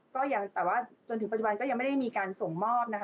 แต่ว่าจนถึงปัจจุบันก็ยังไม่ได้มีการส่งมอบ